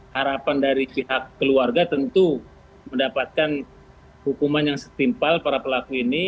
harapan dari pihak keluarga tentu mendapatkan hukuman yang setimpal para pelaku ini